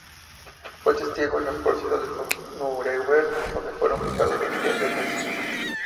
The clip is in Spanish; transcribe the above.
Fue testigo en los procesos de Nuremberg, donde fueron juzgados los dirigentes nazis.